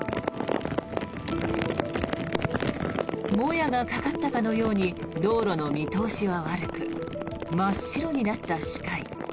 もやがかかったかのように道路の見通しは悪く真っ白になった視界。